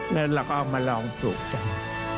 แล้วเราก็เอามาลองปลูกจัง